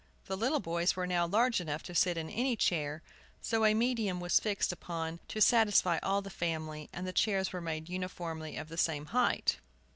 The little boys were now large enough to sit in any chair; so a medium was fixed upon to satisfy all the family, and the chairs were made uniformly of the same height.